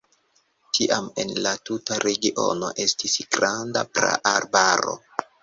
Tiam en la tuta regiono estis granda praarbaro.